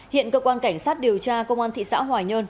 hiện cơ quan cảnh sát điều tra công an thị xã hoài nhơn